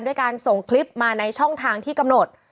ด้วยการส่งคลิปมาในช่องทางที่กำหนด